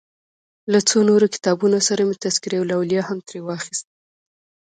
له څو نورو کتابونو سره مې تذکرة الاولیا هم ترې واخیست.